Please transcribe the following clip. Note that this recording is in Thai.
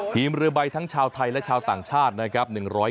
มเรือใบทั้งชาวไทยและชาวต่างชาตินะครับ